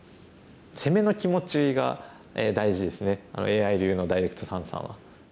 攻めの気持ちが大事ですねＡＩ流のダイレクト三々は。